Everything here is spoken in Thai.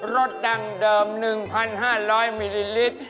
สดั้งเดิม๑๕๐๐มิลลิลิตร